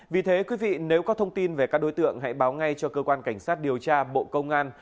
vì thế quý vị nếu có thông tin về các đối tượng hãy báo ngay cho cơ quan cảnh sát điều tra bộ công an